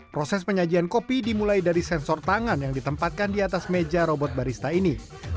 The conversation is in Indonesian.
proses penyajian kopi dimulai dari sensor tangan yang ditempatkan di atas meja robot barista ini